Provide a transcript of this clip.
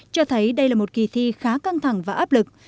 cho thấy đây là một kỳ thi khá căng thẳng và áp lực